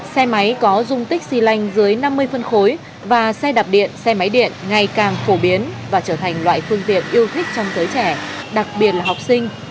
xe máy có dung tích xy lanh dưới năm mươi phân khối và xe đạp điện xe máy điện ngày càng phổ biến và trở thành loại phương tiện yêu thích trong giới trẻ đặc biệt là học sinh